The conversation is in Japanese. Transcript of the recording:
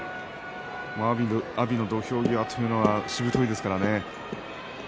阿炎が土俵際というのはしぶといですからね。